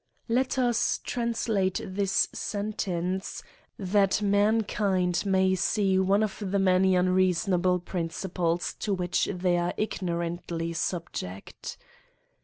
Let us translate this sentence, that mankind may see one of the many unreasonable principles to which they are ignorantly subject.